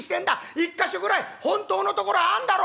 １か所ぐらい本当のところあんだろうな？」。